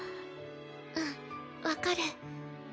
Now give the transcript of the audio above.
うん分かる。